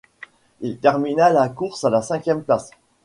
Il termina la course à la cinquième place.